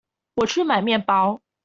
我去買麵包